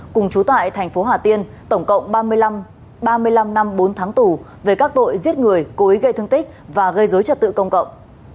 cùng chú tại thành phố hà tiên tổng cộng ba mươi năm năm bốn tháng tù về các tội giết người cố ý gây thương tích và gây dối trật tự công cộng